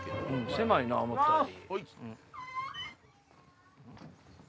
狭いな思ったより。